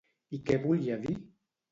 I què volia dir?